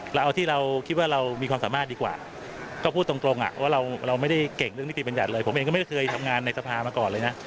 เราเอาที่เราคิดว่าเรามีความสามารถดีกว่าก็พูดตรงว่าเราไม่ได้เก่งเรื่องนิติบัญญัติเลยผมเองก็ไม่ได้เคยทำงานในสภามาก่อนเลยนะ